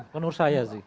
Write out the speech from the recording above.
menurut saya sih